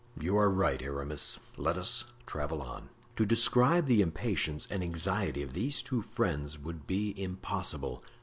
"You are right, Aramis, let us travel on." To describe the impatience and anxiety of these two friends would be impossible.